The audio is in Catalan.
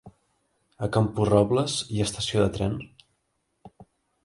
A Camporrobles hi ha estació de tren?